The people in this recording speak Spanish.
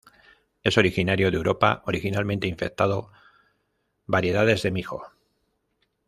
Es originario de Europa, originalmente infectando variedades de mijo.